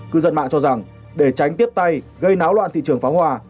cư dân mạng cho rằng để tránh tiếp tay gây náo loạn thị trường phá hoa